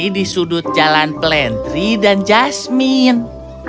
dia berdiri di sudut jalan plantry dan jasmine